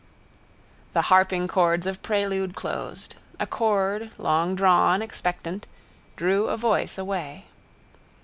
The harping chords of prelude closed. A chord, longdrawn, expectant, drew a voice away.